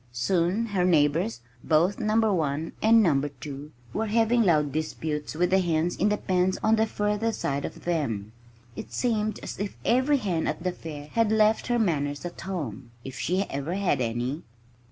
Soon her neighbors both Number 1 and Number 2 were having loud disputes with the hens in the pens on the further side of them. It seemed as if every hen at the fair had left her manners at home if she ever had any.